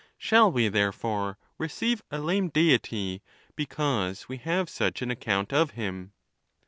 Shall we, therefore, receive a lame Deity because we have such an account of him